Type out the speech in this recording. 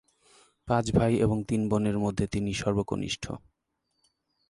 পাঁচ ভাই এবং তিন বোনের মধ্যে তিনি সর্বকনিষ্ঠ।